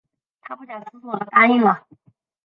她不假思索地答应了